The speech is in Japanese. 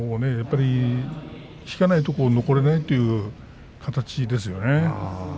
引かないと残れないという形ですよね。